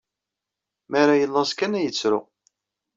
Mi ara yellaẓ kan ay yettru.